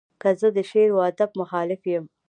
که زه د شعر و ادب مخالف یم.